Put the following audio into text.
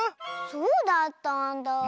そうだったんだあ。